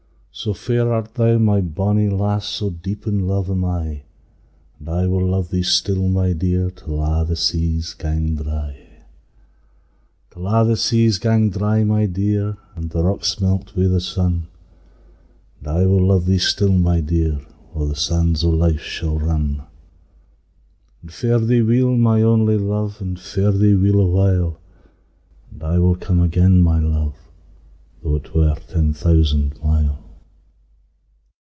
As fair art thou, my bonnie lass, 5 So deep in luve am I: And I will luve thee still, my dear, Till a' the seas gang dry: Till a' the seas gang dry, my dear, And the rocks melt wi' the sun; 10 I will luve thee still, my dear, While the sands o' life shall run. And fare thee weel, my only Luve, And fare thee weel a while! And I will come again, my Luve, 15 Tho' it were ten thousand mile.